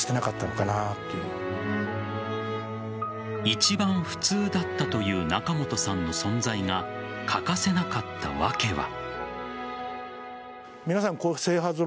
一番普通だったという仲本さんの存在が欠かせなかった訳は。